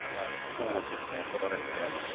そうですね来られて。